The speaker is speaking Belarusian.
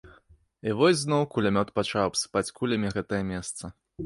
І вось зноў кулямёт пачаў абсыпаць кулямі гэтае месца.